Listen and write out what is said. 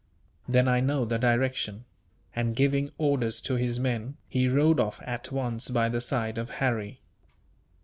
"Then I know the direction;" and, giving orders to his men, he rode off at once by the side of Harry.